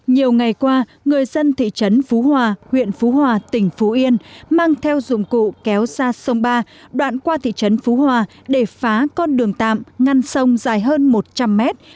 nhiều ngày qua người dân thị trấn phú hòa huyện phú hòa tỉnh phú yên mang theo dụng cụ kéo ra sông ba đoạn qua thị trấn phú hòa để phá con đường tạm ngăn sông dài hơn một trăm linh mét